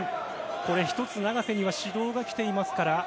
これ、１つ永瀬には指導がきていますから。